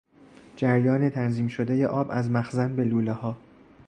جریان تنظیم شدهی آب از مخزن به لولهها